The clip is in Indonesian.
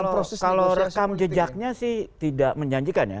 kalau rekam jejaknya sih tidak menjanjikan ya